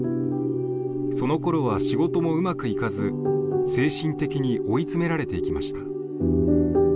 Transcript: そのころは仕事もうまくいかず精神的に追い詰められていきました。